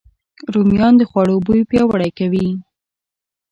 رومیان د خوړو بوی پیاوړی کوي